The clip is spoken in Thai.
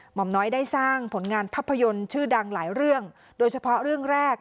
หมอมน้อยได้สร้างผลงานภาพยนตร์ชื่อดังหลายเรื่องโดยเฉพาะเรื่องแรก